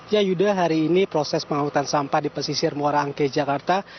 ya yuda hari ini proses pengangkutan sampah di pesisir muara angke jakarta